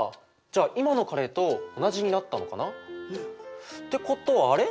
じゃあ今のカレーと同じになったのかな？ってことはあれ？